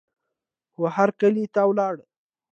وهرکلې ته ولاړ